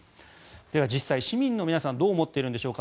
では、実際に市民の皆さんはどう思っているんでしょうか。